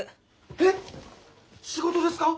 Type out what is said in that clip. えっ仕事ですか！？